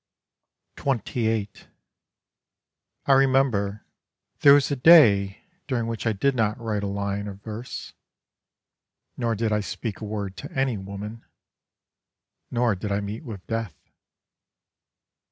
XXVIII I remember, there was a day During which I did not write a line of verse: Nor did I speak a word to any woman, Nor did I meet with death.